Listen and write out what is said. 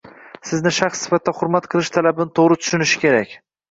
Sizni shaxs sifatida hurmat qilish talabini to'gri tushunishi kerak.